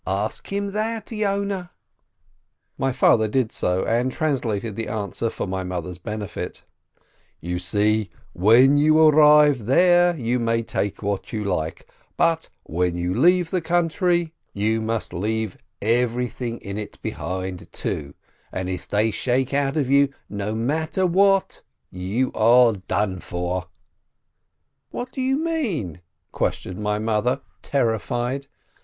Ask him that, Yoneh !" My father did so, and translated the answer for my mother's benefit : "You see, when you arrive there, you may take what you like, but when you leave the country, you must 11 158 SHOLOM ALECHEM leave everything in it behind, too, and if they shake out of you no matter what, you are done for." "What do you mean?" questioned my mother, ter rified.